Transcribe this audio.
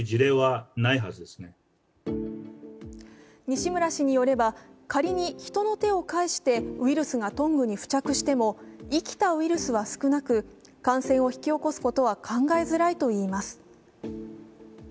西村氏によれば仮に人の手を介してウイルスがトングに付着しても生きたウイルスは少なく感染を引き起こすことは考えづらいといいます。